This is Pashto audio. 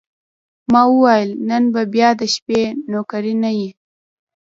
ما وویل: نن به بیا د شپې نوکري نه یې؟